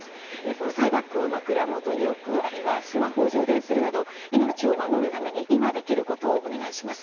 防災バッグを枕元に置くあるいはスマホを充電するなど命を守るために今できることをお願いします。